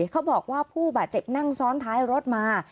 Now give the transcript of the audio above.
เขาบอกว่าผู้บาดเจ็บนั่งซ้อนท้ายรถมา